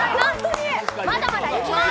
まだまだいきまーす。